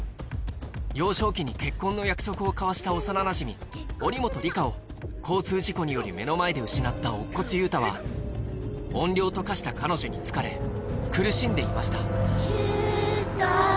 幼少期に結婚の約束を交わした幼なじみ祈本里香を交通事故により目の前で失った乙骨憂太は怨霊と化した彼女に憑かれ苦しんでいました憂太。